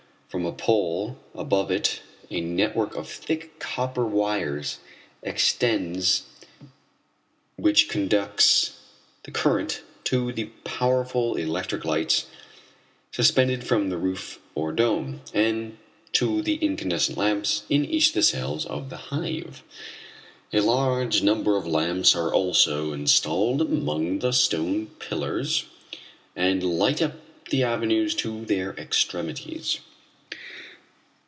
From a pole above it a network of thick copper wires extends which conducts the current to the powerful electric lights suspended from the roof or dome, and to the incandescent lamps in each of the cells of the hive. A large number of lamps are also installed among the stone pillars and light up the avenues to their extremities.